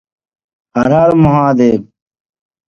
He is best known for his bestselling book "The Ragamuffin Gospel".